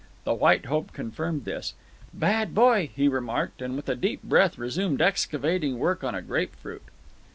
The White Hope confirmed this. "Bad boy," he remarked, and with a deep breath resumed excavating work on a grapefruit.